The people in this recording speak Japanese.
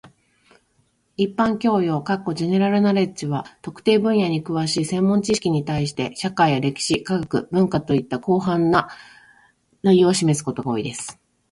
一般教養 （general knowledge） は、特定分野に詳しい専門知識に対して、社会や歴史、科学、文化といった広範な内容を指すことが多いです。